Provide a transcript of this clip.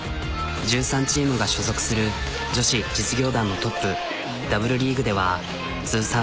１３チームが所属する女子実業団のトップＷリーグではを誇る。